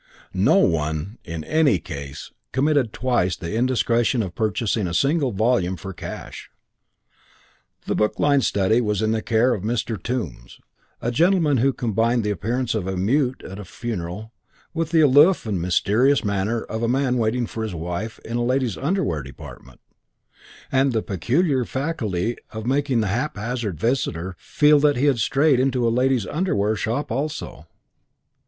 No one, in any case, committed twice the indiscretion of purchasing a single volume for cash. The book lined study was in the care of a Mr. Tombs, a gentleman who combined the appearance of a mute at a funeral with the aloof and mysterious manner of a man waiting for his wife in a ladies' underwear department, and the peculiar faculty of making the haphazard visitor feel that he had strayed into a ladies' underwear shop also.